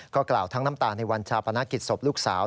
ก็กล่าวทั้งน้ำตาลในวันชาปนกิจศพลูกสาว